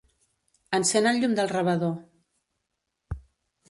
Encén el llum del rebedor.